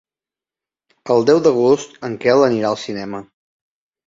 El deu d'agost en Quel anirà al cinema.